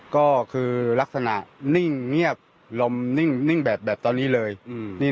ก็คือลักษณะนิ่งเงียบลมนิ่งแบบตอนนี้เลย